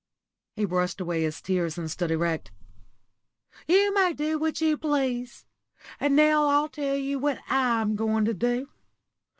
He brushed away his tears and stood erect. "You may do what you please. And now I'll tell you what I'm going to do.